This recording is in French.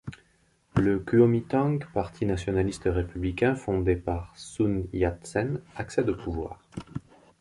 Le Kuomintang, parti nationaliste républicain fondé par Sun Yat-sen, accède au pouvoir.